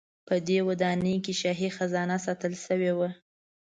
په دې ودانۍ کې شاهي خزانه ساتل شوې وه.